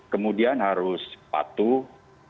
kemudian harus patuh